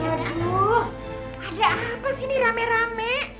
aduh ada apa sih ini rame rame